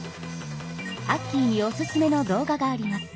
アッキーにおすすめの動画があります。